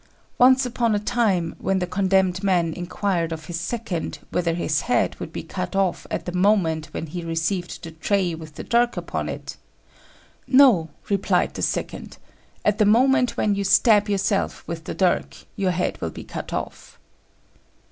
Once upon a time, when the condemned man inquired of his second whether his head would be cut off at the moment when he received the tray with the dirk upon it, "No," replied the second; "at the moment when you stab yourself with the dirk your head will be cut off."